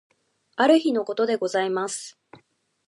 ある日のことでございます。